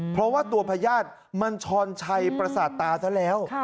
เพราะว่าตัวพญาติมันช้อนชัยประสาทตาซะแล้ว